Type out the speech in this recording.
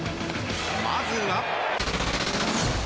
まずは。